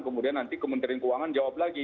kemudian nanti kementerian keuangan jawab lagi